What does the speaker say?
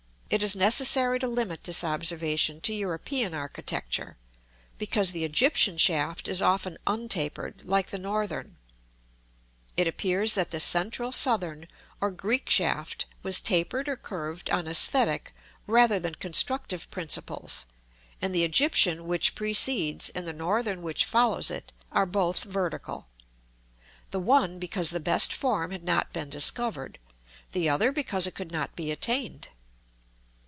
It is necessary to limit this observation to European architecture, because the Egyptian shaft is often untapered, like the Northern. It appears that the Central Southern, or Greek shaft, was tapered or curved on æsthetic rather than constructive principles; and the Egyptian which precedes, and the Northern which follows it, are both vertical, the one because the best form had not been discovered, the other because it could not be attained.